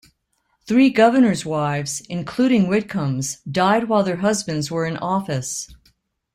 Three governors' wives, including Whitcomb's, died while their husbands were in office.